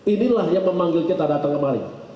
inilah yang memanggil kita datang kemari